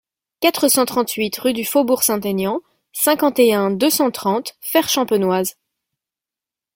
quatre cent trente-huit rue du Faubourg Saint-Aignan, cinquante et un, deux cent trente, Fère-Champenoise